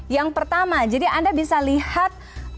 yang pertama jadi anda bisa lihat